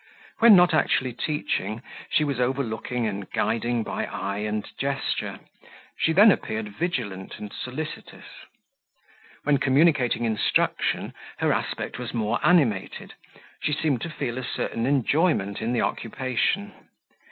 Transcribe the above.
When not actually teaching, she was overlooking and guiding by eye and gesture; she then appeared vigilant and solicitous. When communicating instruction, her aspect was more animated; she seemed to feel a certain enjoyment in the occupation.